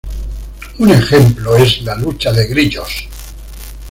Un ejemplo es la lucha de grillos.